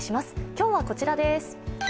今日はこちらです。